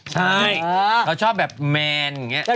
ใช่เขาชอบแบบแมนอย่างนี้